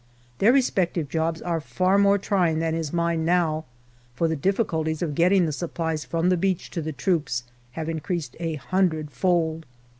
Their respective jobs are far more trying than is mine now, for the difficulties of getting the supplies from the beach to the troops have increased a hundredfold.